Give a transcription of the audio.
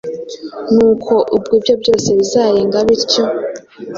Nuko ubwo ibyo byose bizayenga bityo,